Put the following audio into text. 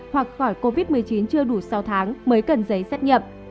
hoặc khỏi covid một mươi chín chưa đủ sáu tháng mới cần giấy xét nghiệm